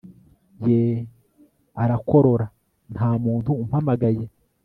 yee Arakorora Nta muntu umpamagave